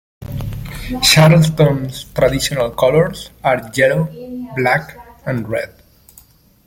Charleston's traditional colors are yellow, black and red.